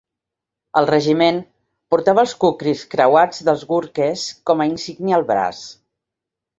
El regiment portava els kukris creuats dels gurkhes com a insígnia al braç.